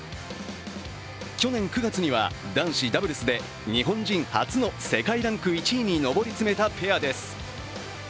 去年９月には男子ダブルスで日本人初の世界ランク１位に上り詰めたペアです。